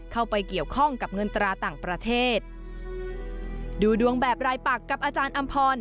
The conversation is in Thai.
เข้าไปเกี่ยวข้องกับเงินตราต่างประเทศดูดวงแบบรายปักกับอาจารย์อำพร